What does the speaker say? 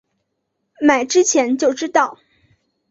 买之前就知道